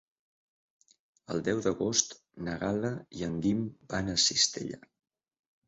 El deu d'agost na Gal·la i en Guim van a Cistella.